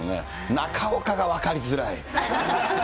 中岡が分かりづらい。